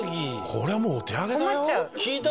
これはもうお手上げだよ。